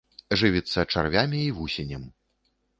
Жывіцца чарвямі і вусенем.